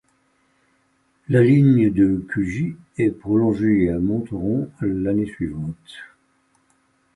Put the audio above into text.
La ligne de Cugy est prolongée à Montheron l'année suivante.